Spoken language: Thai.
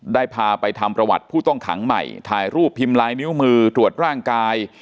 ได้พาไปทำประวัติผู้ต้องขังใหม่ถ่ายรูปพิมพ์ลายนิ้วมือตรวจร่างกาย